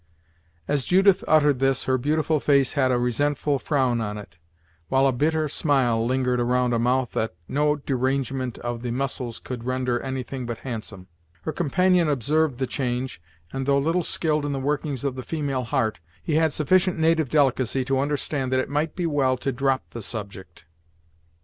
As Judith uttered this, her beautiful face had a resentful frown on it; while a bitter smile lingered around a mouth that no derangement of the muscles could render anything but handsome. Her companion observed the change, and though little skilled in the workings of the female heart, he had sufficient native delicacy to understand that it might be well to drop the subject.